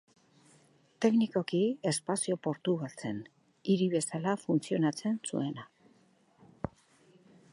Teknikoki espazio portu bat zen, hiri bezala funtzionatzen zuena.